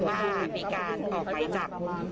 ว่ามีการออกไปจาก